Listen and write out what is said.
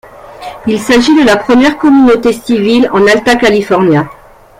Il s’agit de la première communauté civile en Alta California.